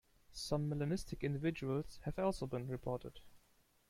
Some melanistic individuals have also been reported.